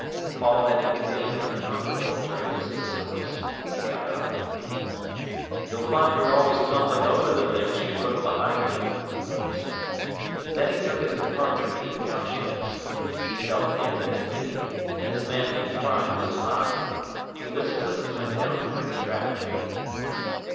Paul had been feeling uncomfortable during this discourse. He got up. "You'll find you're always tumbling over the things you've put behind you," he said. Then he took his departure to the cowsheds. He felt he had been witty, and his manly pride was high. He whistled as he went down the brick track.